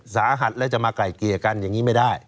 สาหัสแล้วจะมาไกลเกลี่ยกันอย่างนี้ไม่ได้